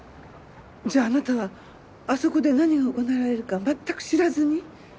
じゃああなたはあそこで何が行われるか全く知らずに？